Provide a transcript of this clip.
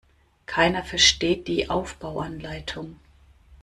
Keiner versteht die Aufbauanleitung.